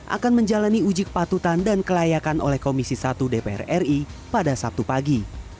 akan menjalani uji kepatutan dan kelayakan oleh komisi satu dpr ri pada sabtu pagi